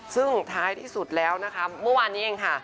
ซึ่งท้ายที่สุดแล้วนะคะเมื่อวานนี้เองค่ะ